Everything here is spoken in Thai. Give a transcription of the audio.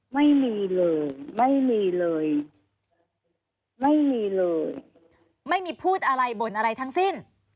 ไม่มีเลยไม่มีเลยไม่มีเลยไม่มีพูดอะไรบ่นอะไรทั้งสิ้น